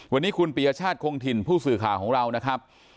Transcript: วันนี้คุณปียชาติคงถิ่นผู้สื่อข่าวของเรานะครับ